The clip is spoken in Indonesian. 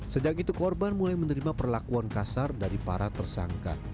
sejak itu korban mulai menerima perlakuan kasar dari para tersangka